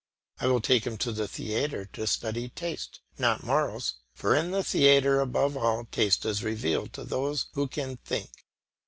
I take him to the theatre to study taste, not morals; for in the theatre above all taste is revealed to those who can think.